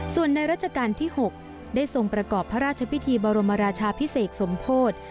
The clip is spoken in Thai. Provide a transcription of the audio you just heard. ส่วนในรัชกาลที่๖ได้ทรงประกอบพระราชพิธีบรมราชาพิเศษสมโพธิ